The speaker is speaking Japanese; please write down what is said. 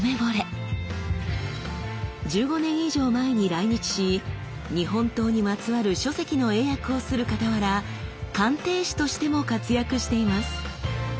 １５年以上前に来日し日本刀にまつわる書籍の英訳をするかたわら鑑定士としても活躍しています。